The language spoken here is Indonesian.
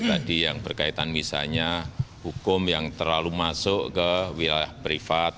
tadi yang berkaitan misalnya hukum yang terlalu masuk ke wilayah privat